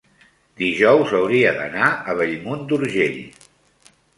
dijous hauria d'anar a Bellmunt d'Urgell.